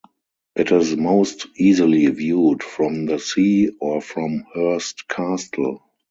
It is most easily viewed from the sea, or from Hurst Castle.